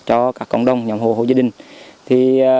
cho cả cộng đồng nhóm hồ hồ gia đình